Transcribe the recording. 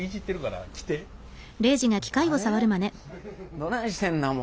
どないしてんなもう。